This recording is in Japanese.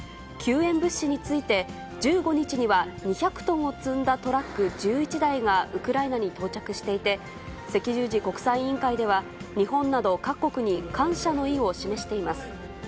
救援物資について１５日には、２００トンを積んだトラック１１台がウクライナに到着していて、赤十字国際委員会では、日本など各国に感謝の意を示しています。